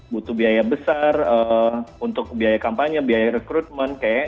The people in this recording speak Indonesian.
butuh biaya besar untuk biaya kampanye biaya rekrutmen